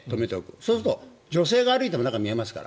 そうすると、女性が歩いても中が見えますから。